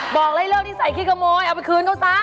บอกแล้วเลิกศิษย์ใจขี้ขโมยเอาไปคืนเขาซะ